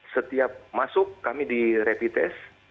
setiap masuk kami direpi tes